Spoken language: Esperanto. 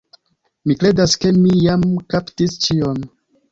Mi kredas ke mi jam kaptis ĉion.